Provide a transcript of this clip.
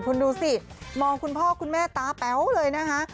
คุณดูสิมองคุณพ่อคุณแม่ตาแป๋วเลยนะคะ